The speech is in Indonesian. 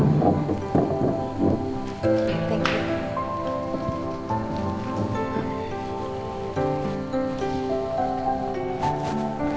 ini di tulis lalu